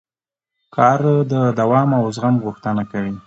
کار د دوام او زغم غوښتنه کوي